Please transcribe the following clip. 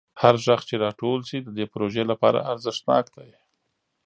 هر غږ چې راټول شي د دې پروژې لپاره ارزښتناک دی.